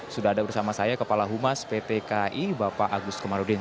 sudah ada bersama saya kepala humas pt kai bapak agus komarudin